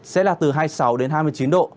sẽ là từ hai mươi sáu đến hai mươi chín độ